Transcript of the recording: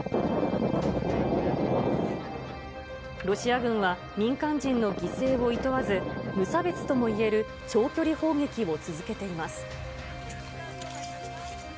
ロシア軍は民間人の犠牲をいとわず、無差別ともいえる長距離砲撃を続けています。